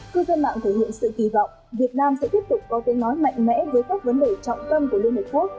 cơ sản mạng thể hiện sự kỳ vọng việt nam sẽ tiếp tục có kênh nói mạnh mẽ với các vấn đề trọng tâm của liên hợp quốc